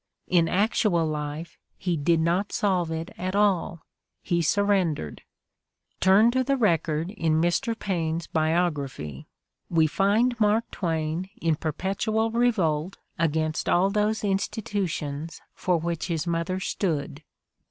In actual life he did not solve it at all; he surrendered. Turn to the record in Mr. Paine 's biography. We I find Mark Twain in perpetual revolt against all those /institutions for which his mother stood.